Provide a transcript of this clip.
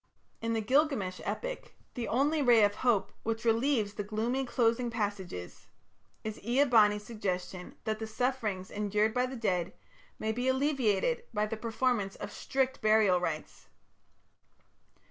In the Gilgamesh epic the only ray of hope which relieves the gloomy closing passages is Ea bani's suggestion that the sufferings endured by the dead may be alleviated by the performance of strict burial rites.